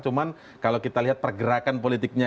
cuman kalau kita lihat pergerakan politiknya